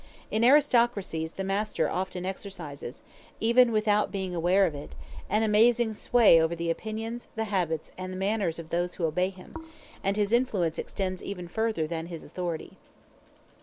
In aristocracies the master often exercises, even without being aware of it, an amazing sway over the opinions, the habits, and the manners of those who obey him, and his influence extends even further than his authority.